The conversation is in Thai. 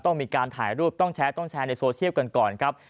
ต้องมีการถ่ายรูปต้องแชร์ต้องแชร์ในโซเชียลกันก่อนครับ